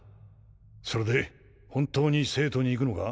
それで本当に聖都に行くのか？